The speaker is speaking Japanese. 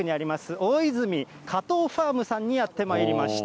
おおいずみ加藤ファームさんにやってまいりました。